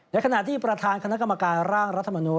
ในขณะที่ประธานคณะกรรมการร่างรัฐมนูล